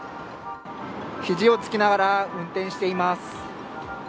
肘をつきながら運転しています。